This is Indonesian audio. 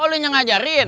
oh lo yang ngajarin